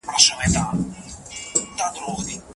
د خوسر او نورو د پارولو مخه څنګه نيول کيږي؟